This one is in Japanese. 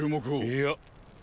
いや。